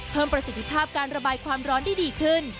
ประสิทธิภาพการระบายความร้อนได้ดีขึ้น